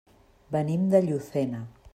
Venim de Llucena.